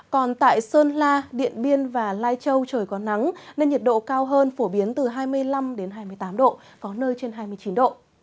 còn tại sơn la điện biên và lai châu trời có nắng nên nhiệt độ cao hơn phổ biến từ hai mươi năm hai mươi tám độ có nơi trên hai mươi chín độ